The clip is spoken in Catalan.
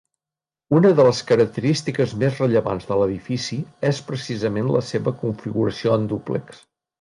Una de les característiques més rellevants de l'edifici és precisament la seva configuració en dúplex.